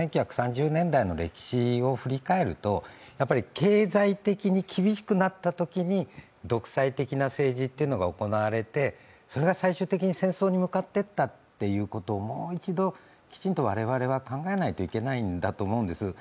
１９３０年代の歴史を振り返ると、経済的に厳しくなったときに独裁的な政治というのが行われてそれが最終的に戦争に向かっていったということをもう一度きちんと我々は考えないといけないんだと思うんです。